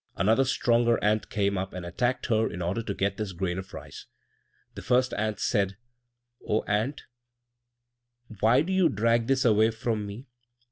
Another stronger ant came up and attacked her in order to get this grain of rice. The first ant said, "O ant, why do you drag this away from me?